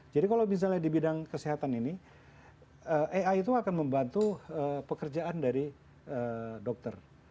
jadi kalau misalnya di bidang kesehatan ini ai itu akan membantu pekerjaan dari dokter